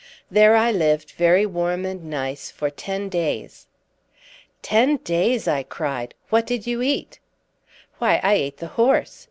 There I lived, very warm and nice, for ten days." "Ten days!" I cried. "What did you eat?" "Why, I ate the horse.